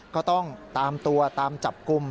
ก็ต้องตามตัวตามจับกลุ่ม